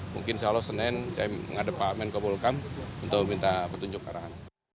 mungkin selalu senin saya menghadap pak menko polhukam untuk minta petunjuk ke arahan